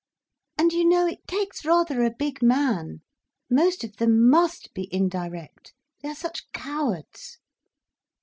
And you know, it takes rather a big man. Most of them must be indirect, they are such cowards."